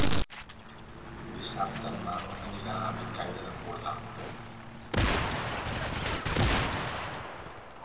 Dissabte en Marc anirà a Bellcaire d'Empordà.